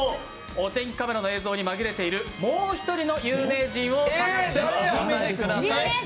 お天気カメラの映像に紛れているもう１人の有名人を探してください。